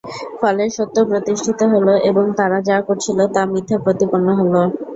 ফলে সত্য প্রতিষ্ঠিত হল এবং তারা যা করছিল তা মিথ্যা প্রতিপন্ন হল।